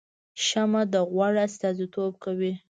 شمعه د غوړ استازیتوب کوي